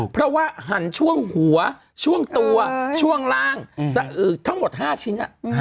เพราะว่าหันช่วงหัวช่วงตัวช่วงล่างสะอึกทั้งหมด๕ชิ้น